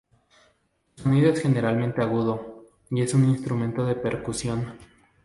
Su sonido es generalmente agudo, y es un instrumento de percusión.